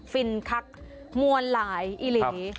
ฟินคักมวลหลายอิหลี